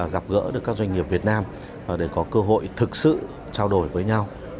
gặp gỡ được các doanh nghiệp việt nam để có cơ hội thực sự trao đổi với nhau